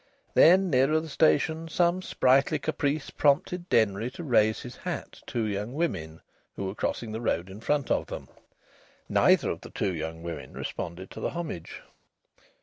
Then, nearer the station, some sprightly caprice prompted Denry to raise his hat to two young women who were crossing the road in front of them. Neither of the two young women responded to the homage.